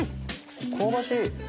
香ばしい。